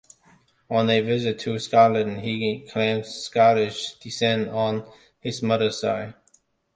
On a visit to Scotland, he claimed Scottish descent on his mother's side.